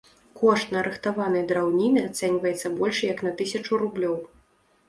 Кошт нарыхтаванай драўніны ацэньваецца больш як на тысячу рублёў.